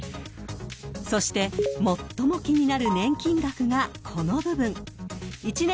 ［そして最も気になる年金額がこの部分］